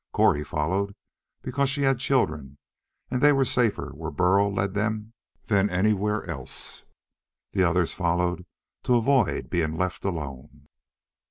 Cori followed because she had children, and they were safer where Burl led than anywhere else. The others followed to avoid being left alone.